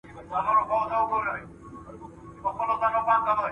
د مختلفو عواملو له مخي، وېره لري.